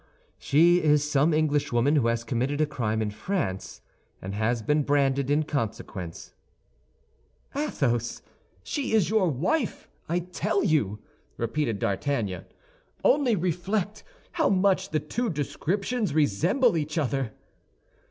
"She is some Englishwoman who has committed a crime in France, and has been branded in consequence." "Athos, she is your wife, I tell you," repeated D'Artagnan; "only reflect how much the two descriptions resemble each other."